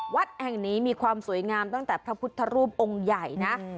วัดแห่งนี้มีความสวยงามตั้งแต่พระพุทธรูปองค์ใหญ่นะ